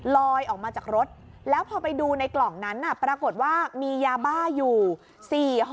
ออกมาจากรถแล้วพอไปดูในกล่องนั้นปรากฏว่ามียาบ้าอยู่๔ห่อ